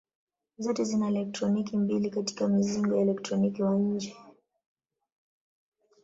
Zote zina elektroni mbili katika mzingo elektroni wa nje.